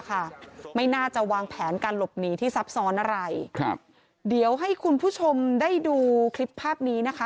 ไม่น่าจะวางแผนการหลบหนีที่ซับซ้อนอะไรครับเดี๋ยวให้คุณผู้ชมได้ดูคลิปภาพนี้นะคะ